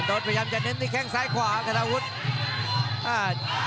สะโดดพยายามจะเน้นที่แข้งซ้ายขวาฆาตาวุฒิ